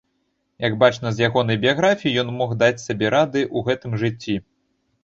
Як бачна з ягонай біяграфіі, ён мог даць сабе рады ў гэтым жыцці.